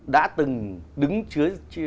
đã từng đứng trước